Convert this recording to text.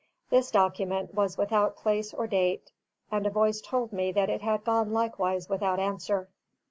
This document was without place or date, and a voice told me that it had gone likewise without answer.